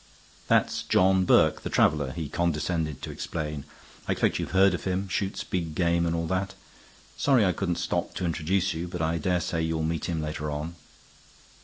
"That's John Burke, the traveler," he condescended to explain. "I expect you've heard of him; shoots big game and all that. Sorry I couldn't stop to introduce you, but I dare say you'll meet him later on."